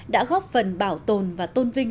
đã góp phần bảo tồn và tôn vinh